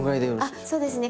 あっそうですね。